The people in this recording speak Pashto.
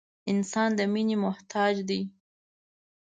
• انسان د مینې محتاج دی.